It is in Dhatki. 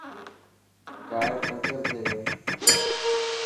ٽائر پنچر ٿي گيو.